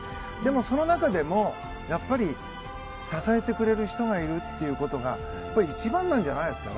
その中でもやっぱり支えてくれる人がいるということが一番なんじゃないですか？